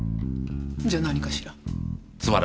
じゃ何かしら？